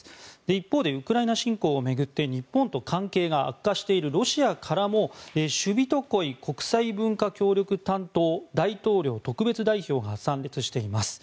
一方でウクライナ侵攻を巡って日本と関係が悪化しているロシアからもシュビトコイ国際文化協力担当大統領特別代表が参列しています。